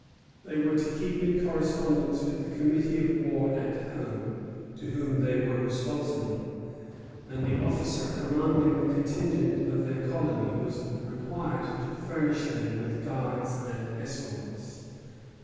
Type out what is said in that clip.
They were to keep in correspondence with the committee of war at home, to whom they were responsible; and the officer commanding the contingent of their colony was required to furnish them with guards and escorts.